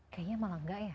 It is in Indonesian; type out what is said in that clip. kayaknya malah gak ya